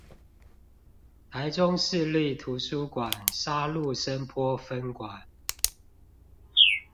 臺中市立圖書館沙鹿深波分館